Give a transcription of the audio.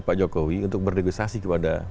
pak jokowi untuk bernegosiasi kepada